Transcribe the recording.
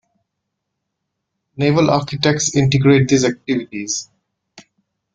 Naval architects integrate these activities.